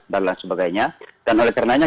dan lain sebagainya dan oleh karenanya